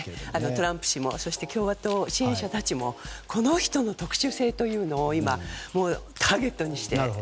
トランプ氏も共和党支援者たちもこの人の特殊性というのをターゲットにしていて。